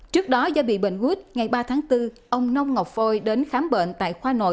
trước đó do bị bệnh quýt ngày ba tháng bốn ông nông ngọc phôi đến khám bệnh tại khoa nội